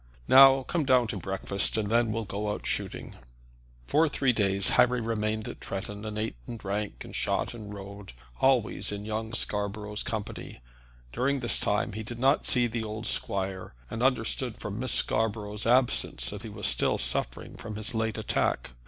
Now come down to breakfast, and then we'll go out shooting." For three days Harry remained at Tretton, and ate and drank, and shot and rode, always in young Scarborough's company. During this time he did not see the old squire, and understood from Miss Scarborough's absence that he was still suffering from his late attack.